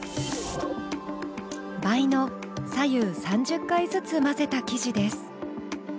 倍の左右３０回ずつ混ぜた生地です。